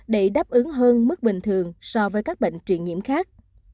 để đáp ứng hơn mức bình thường so với các bệnh truyền nhiễm khác